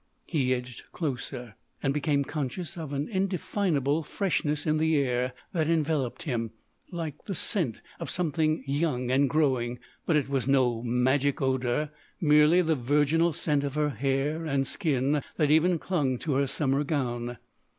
He edged closer; and became conscious of an indefinable freshness in the air that enveloped him, like the scent of something young and growing. But it was no magic odour,—merely the virginal scent of her hair and skin that even clung to her summer gown.